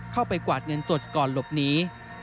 กวาดเงินสดก่อนหลบหนี